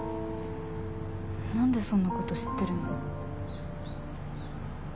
何でそんなこと知ってるの？